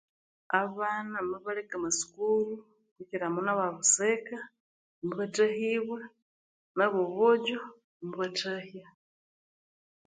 Abana mubaleka amasukuru. Kukiramuno abo obusika mubathahibwa nabo obojo mubathahya.